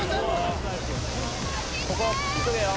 ここは急げよ